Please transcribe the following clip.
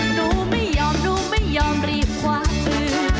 หนูไม่ยอมหนูไม่ยอมรีบขวาพื้น